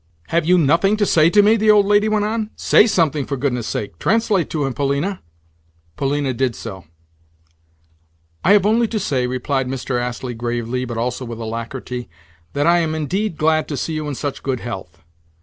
"Have you nothing to say to me?" the old lady went on. "Say something, for goodness' sake! Translate to him, Polina." Polina did so. "I have only to say," replied Mr. Astley gravely, but also with alacrity, "that I am indeed glad to see you in such good health."